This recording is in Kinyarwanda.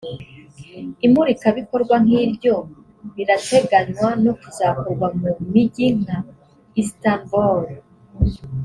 Imurikabikorwa nk’iryo rirateganywa no kuzakorwa mu mijyi nka Istanbul